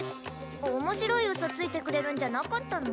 面白いウソついてくれるんじゃなかったの？